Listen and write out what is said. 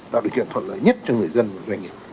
tạo điều kiện thuận lợi nhất cho người dân và doanh nghiệp